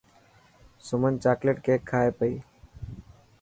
سمن چاڪليٽ ڪيڪ کائي پئي.